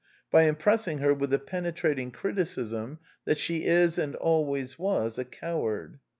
by impressing her with the penetrating criticism that she is and always was a coward.